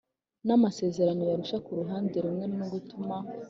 n amasezerano y Arusha ku ruhande rumwe no gutuma